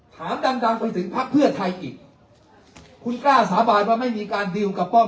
ถามดังดังไปถึงพักเพื่อไทยอีกคุณกล้าสาบานว่าไม่มีการดีลกับป้อม